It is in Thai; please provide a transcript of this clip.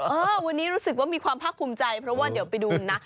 เออวันนี้รู้สึกว่ามีความภาคภูมิใจเพราะว่าเดี๋ยวไปดูนะ